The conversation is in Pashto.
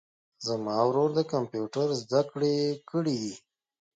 زما ورور د کمپیوټر زده کړي کړیدي